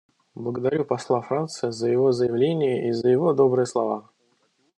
Благодарю посла Франции за его заявление и за его добрые слова.